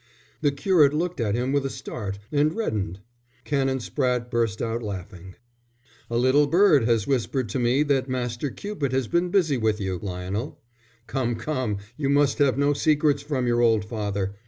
The curate looked at him with a start and reddened. Canon Spratte burst out laughing. "A little bird has whispered to me that Master Cupid has been busy with you, Lionel. Come, come, you must have no secrets from your old father.